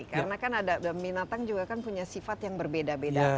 karena kan ada binatang juga punya sifat yang berbeda beda